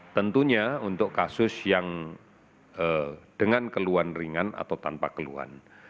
tentunya untuk kasus yang dengan keluhan ringan atau tanpa keluhan